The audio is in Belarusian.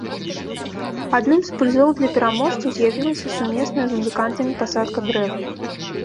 Адным з прызоў для пераможцаў з'явілася сумесная з музыкантамі пасадка дрэва.